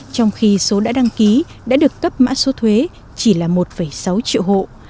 trong khi số đã đăng ký đã được cấp mã số thuế chỉ là một sáu triệu hộ